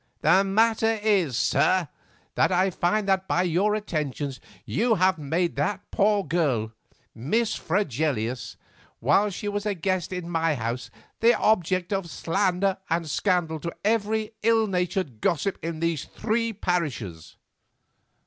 "The matter is, sir, that I find that by your attentions you have made that poor girl, Miss Fregelius, while she was a guest in my house, the object of slander and scandal to every ill natured gossip in the three parishes."